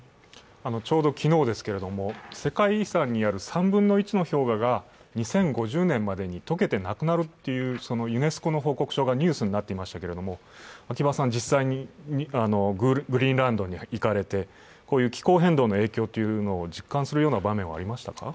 ちょうど昨日、世界遺産にある３分の１の氷河が２０５０年までに解けてなくなるというユネスコの報告書がニュースになっていましたけれども秋場さん、実際にグリーンランドに行かれてこういう気候変動を実感する場面はありましたか？